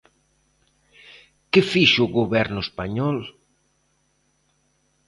¿Que fixo o Goberno español?